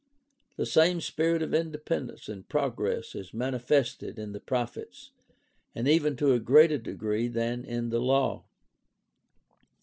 The same spirit of independence and progress is manifested in the prophets, and even to a greater degree than in the law.